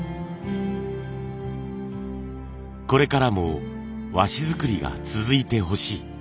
これからも和紙作りが続いてほしい。